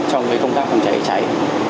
trong công tác phòng cháy cháy